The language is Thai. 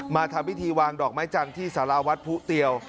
มาทำพิธีวางดอกไม้จันทร์ที่สาราวัดผู้เตียว